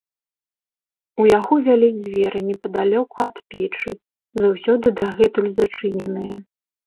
У яго вялі дзверы непадалёку ад печы, заўсёды дагэтуль зачыненыя.